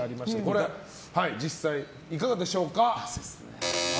これは実際いかがでしょうか。